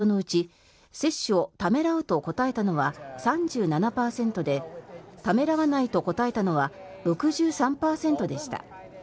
まだワクチンを接種していない人のうち接種をためらうと答えたのは３７％でためらわないと答えたのは６３％でした。